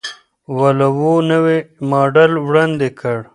ولوو نوی ماډل وړاندې کړ.